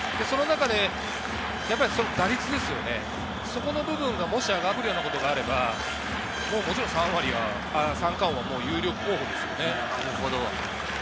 その中で打率ですよね、そこの部分がもし上がってくるようなことがあれば、もちろん三冠王は有力候補ですよね。